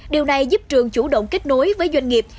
điều này giúp trường chủ động kết nối với doanh nghiệp